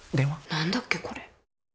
何だっけ、これ。